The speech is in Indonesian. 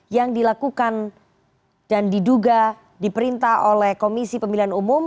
yang dilakukan dan diduga diperintah oleh komisi pemilihan umum